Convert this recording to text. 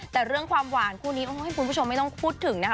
แต่เรื่องความหวานคู่นี้คุณผู้ชมไม่ต้องพูดถึงนะคะ